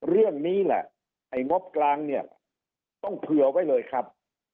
เรื่องนี้แหละไอ้งบกลางเนี่ยต้องเผื่อไว้เลยครับ